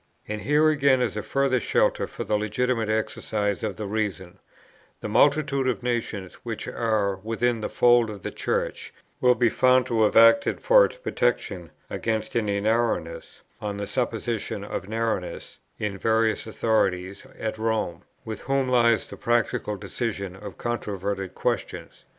And here again is a further shelter for the legitimate exercise of the reason: the multitude of nations which are within the fold of the Church will be found to have acted for its protection, against any narrowness, on the supposition of narrowness, in the various authorities at Rome, with whom lies the practical decision of controverted questions.